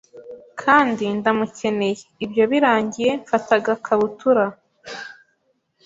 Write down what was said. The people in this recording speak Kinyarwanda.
kandi ndamukeneye, ibyo birangiye mfata agakabutur